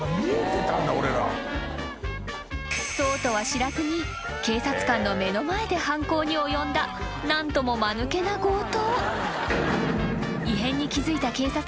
［そうとは知らずに警察官の目の前で犯行に及んだ何ともまぬけな強盗］